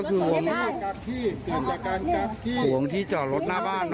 อ๋อคือห่วงที่จอดรถหน้าบ้าน